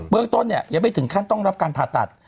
เรื่องต้นเนี่ยยังไม่ถึงขั้นต้องรับการผ่าตัด